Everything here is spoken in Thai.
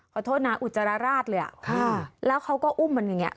ขอโทษนะอุจจาระราชเลยอ่ะค่ะแล้วเขาก็อุ้มมันอย่างเงี้